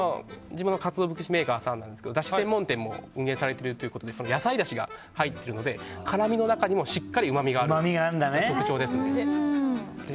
カツオ節メーカーさんなんですがだし専門店も運営されているということで野菜だしが入ってるので辛みの中にもしっかりうまみがあるのが特徴ですね。